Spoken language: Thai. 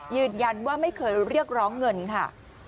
ยืนยันว่าไม่เคยเรียกร้องเงินค่ะ